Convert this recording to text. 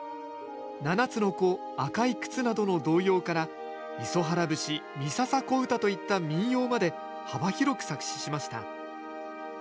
「七つの子」「赤い靴」などの童謡から「磯原節」「三朝小唄」といった民謡まで幅広く作詞しました。